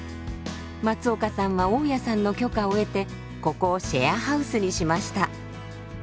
松岡さんは大家さんの許可を得てここをシェアハウスにしました。